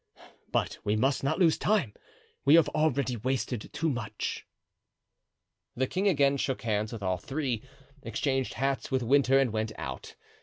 But we must not lose time. We have already wasted too much." The king again shook hands with all three, exchanged hats with Winter and went out.